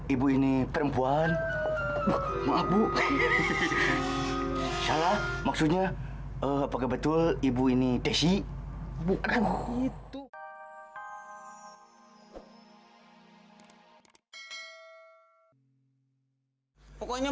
ibu ini perempuan maaf bu salah maksudnya apakah betul ibu ini desi bukan itu pokoknya